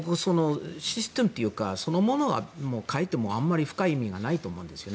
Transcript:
システムそのものを変えてもあまり深い意味がないと思うんです。